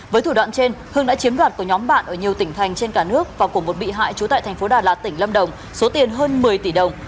với thủ đoạn trên hương đã chiếm đoạt của nhóm bạn ở nhiều tỉnh thành trên cả nước và của một bị hại trú tại thành phố đà lạt tỉnh lâm đồng số tiền hơn một mươi tỷ đồng